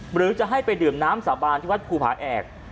หรือจะให้ไปดื่มน้ำสาบานที่วัดภูผาแอก